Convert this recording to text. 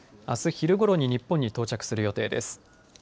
あす昼ごろに日本に到着する予定です。